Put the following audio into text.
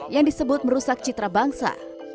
yang disebut merusak citra bangsa